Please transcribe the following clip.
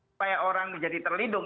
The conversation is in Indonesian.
supaya orang menjadi terlindung